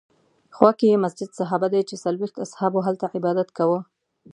خوا کې یې مسجد صحابه دی چې څلوېښت اصحابو هلته عبادت کاوه.